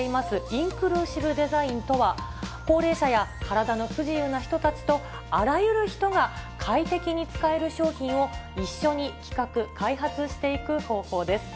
インクルーシブデザインとは、高齢者や体の不自由な人たちと、あらゆる人が快適に使える商品を一緒に企画、開発していく方法です。